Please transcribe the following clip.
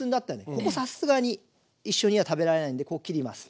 ここさすがに一緒には食べられないのでここ切ります。